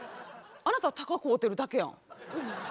あなた鷹飼うてるだけやん。